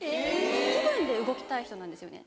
気分で動きたい人なんですよね。